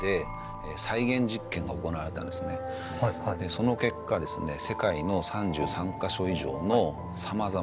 その結果ですねえっ！